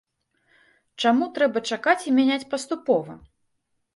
Чаму трэба чакаць і мяняць паступова?